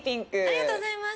ありがとうございます。